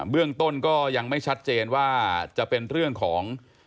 เรื่องต้นก็ยังไม่ชัดเจนว่าจะเป็นเรื่องของ